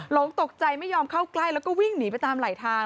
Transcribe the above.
หลงตกใจไม่ยอมเข้าใกล้แล้วก็วิ่งหนีไปตามไหลทาง